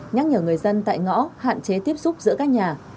nhắc nhở người dân tại ngõ hạn chế tiếp xúc giữa các nhà